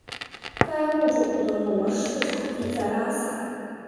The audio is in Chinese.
该物种的模式产地在拉萨。